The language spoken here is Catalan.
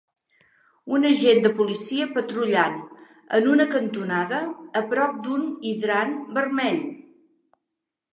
Un agent de policia patrullant en una cantonada a prop d'un hidrant vermell.